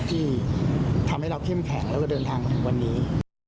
ที่ทำให้เราเข้มแข็งแล้วก็เดินทางมาถึงวันนี้